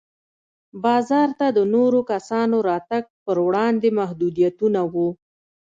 بازار ته د نورو کسانو راتګ پر وړاندې محدودیتونه وو.